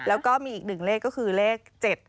แล้วก็มีอีกหนึ่งเลขก็คือเลข๗๗